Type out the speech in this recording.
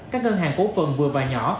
các ngân hàng cố phần vừa và nhỏ